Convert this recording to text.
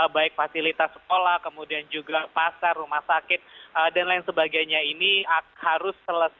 baik fasilitas sekolah kemudian juga pasar rumah sakit dan lain sebagainya ini harus selesai pada dua bulan begitu agar siswa didik juga bisa kembali bersekolah